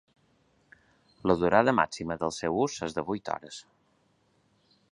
La durada màxima del seu ús és de vuit hores.